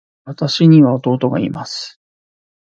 私には弟がいます。